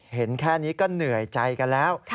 เห็นแค่นี้ก็เหนื่อยใจกันแล้ว